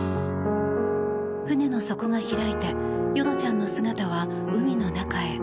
船の底が開いて淀ちゃんの姿は海の中へ。